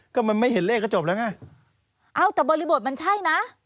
ก็มันไม่เห็นเลขก็จบแล้วไงเอ้าแต่บริบทมันใช่นะ